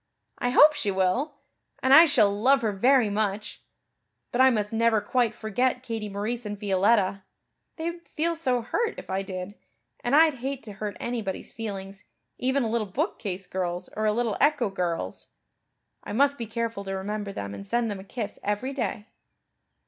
I hope she will, and I shall love her very much. But I must never quite forget Katie Maurice and Violetta. They would feel so hurt if I did and I'd hate to hurt anybody's feelings, even a little bookcase girl's or a little echo girl's. I must be careful to remember them and send them a kiss every day."